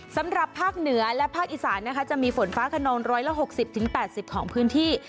สำหรับภาคเหนือและภาคอีสานนะคะจะมีฝนฟ้าขนอง๑๖๐๘๐ของพื้นที่